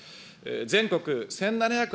全国１７００